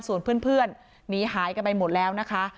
ส่วนเพื่อนหนีหายกันไปหมดแล้วนะคะ